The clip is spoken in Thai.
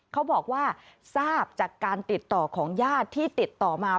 เขาบอกว่าทราบจากการติดต่อของญาติที่ติดต่อมา